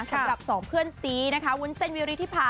สำหรับสองเพื่อนซีนะคะวุ้นเส้นวิริธิพา